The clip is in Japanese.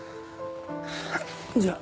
じゃあ。